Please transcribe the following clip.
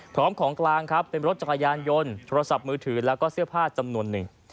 ของกลางครับเป็นรถจักรยานยนต์โทรศัพท์มือถือแล้วก็เสื้อผ้าจำนวนหนึ่ง